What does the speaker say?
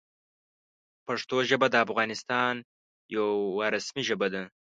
پښتو ژبه د افغانستان یوه رسمي ژبه ده.